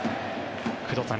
工藤さん